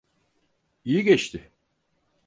İyi geçti.